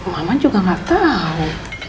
mama juga gak tau